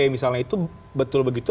misalnya itu betul begitu